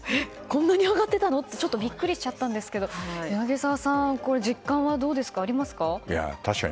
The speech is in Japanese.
こんなに上がってたのってちょっとビックリしちゃったんですけど柳澤さん、実感はありますか？